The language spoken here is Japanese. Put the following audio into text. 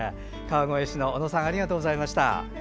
川越市の小野さんありがとうございました。